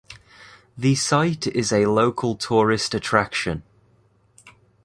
The site is a local tourist attraction.